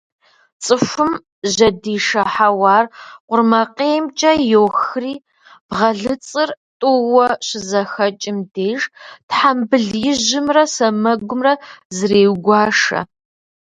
Цӏыхум жьэдишэ хьэуар къурмакъеймкӏэ йохри, бгъэлыцӏыр тӏууэ щызэхэкӏым деж тхьэмбыл ижьымрэ сэмэгумрэ зреугуашэ.